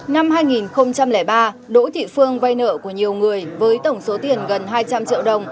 năm hai nghìn ba đỗ thị phương vay nợ của nhiều người với tổng số tiền gần hai trăm linh triệu đồng